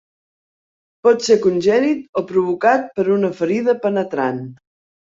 Pot ser congènit o provocat per una ferida penetrant.